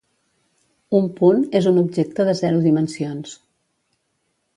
Un punt és un objecte de zero dimensions.